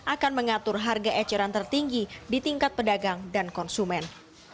akan mengatur harga eceran tertinggi di tingkat pedagang dan konsumen